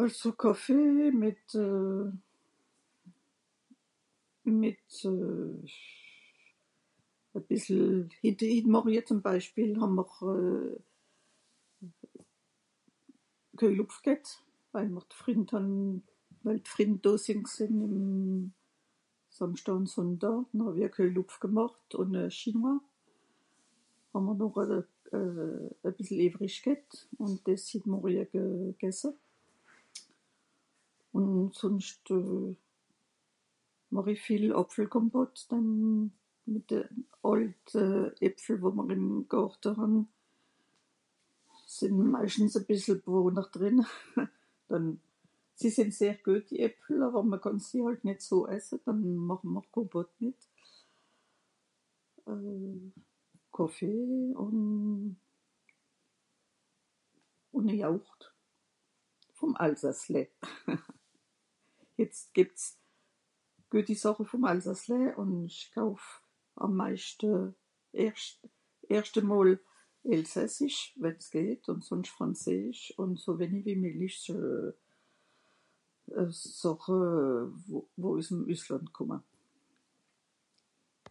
àlso kàffee neh mìt mìt à bìssel hette hit morje zum beispiel hàmmr euh keujlòpf g'hett waije mr d'frìnd hàn waij d'frìnd so sìn gsìn àm sàmsdaa ùn sundaa hàwi a keujlòpf gemàcht ùn a chinois hàmmr noch à euh à bìssel ewerisch g'hett ùn des hit morje ge gesse ùn sonscht euh màch'i viel àpfel compotte dann mìt de àlt äpfel wie mr ìm gàrte hàn sìn maischtens à bìssel ... drìnne dann si sìn seht geut die äpfel àwer mr kànn sie àls nìt so essen dann màch mr compotte mìt euh kàffee ùn ùn a yaourt vòn alsace lait des gebs geuti sàche vom alsace ùn isch kauf àm meischte erst erstemol elsassisch wenn's geht ùmsònscht frànseesch ùn so wenig wie meillich euh sàche wo üss'em üsslànd kòmme